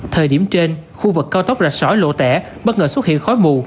thời điểm trên khu vực cao tốc rạch sỏi lộ tẻ bất ngờ xuất hiện khói mù